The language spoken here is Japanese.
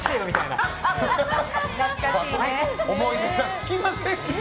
思い出が尽きませんが。